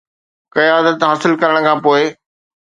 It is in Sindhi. قيادت حاصل ڪرڻ کان پوء